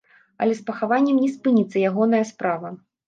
Але з пахаваннем не спыніцца ягоная справа.